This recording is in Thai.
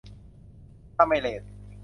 ถ้าไม่เลท